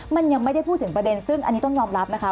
มันยังไม่ได้พูดถึงประเด็นซึ่งอันนี้ต้องยอมรับนะคะ